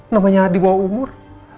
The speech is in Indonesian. namanya di bawah umur